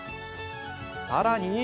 さらに。